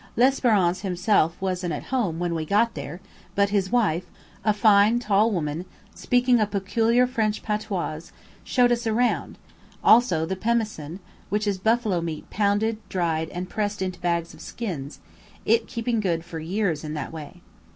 L'Esperance himself wasn't at home when we got there; but his wife, a fine, tall woman, speaking a peculiar French patois, showed us "around," also the pemmicain, which is buffalo meat pounded, dried, and pressed into bags of skins, it keeping good for years in that way.